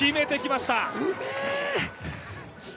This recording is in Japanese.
うめえ。